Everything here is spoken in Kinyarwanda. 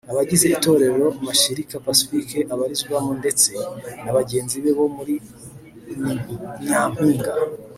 abagize Itorero Mashirika Pacifique abarizwamo ndetse na bagenzi be bo muri Ni Nyampinga